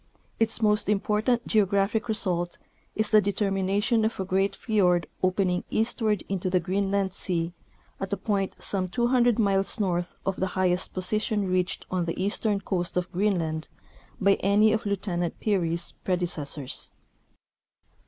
Its most important geographic result is the determination of a great fiord opening eastward into the Greenland sea at a point some 200 miles north of the highest position reached on the eastern coast of Greenland by any of Lieutenant Peary's predecessors. 206 Notes.